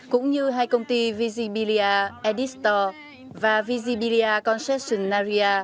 cũng như hai công ty visibilia edisto và visibilia concessionaria